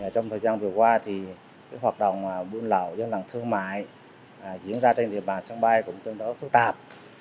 trong thời gian vừa qua hoạt động buôn lộ dân lặng thương mại diễn ra trên địa bàn sân bay cũng tương đối phức tạp